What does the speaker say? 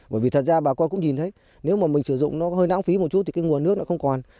bởi vì thật ra bà con cũng nhìn thấy nếu mà mình sử dụng nó hơi nãng phí một chút thì cái nguồn nước nó không còn